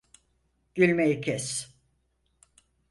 Gülmeyi kes!